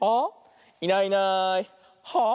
「いないいないはあ？」。